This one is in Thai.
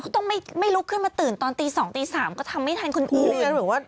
ต้องไม่ลุกขึ้นมาตื่นตอนตี๒ตี๓ก็ทำไม่ทันคุณอู๋เลย